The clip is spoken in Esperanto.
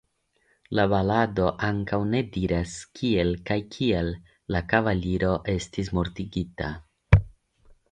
La balado ankaŭ ne diras kiel kaj kial la kavaliro estis mortigita.